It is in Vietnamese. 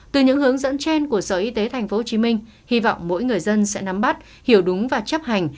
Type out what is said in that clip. từ những hướng dẫn trên của sở y tế tp hcm hy vọng mỗi người dân sẽ nắm bắt hiểu đúng và chấp hành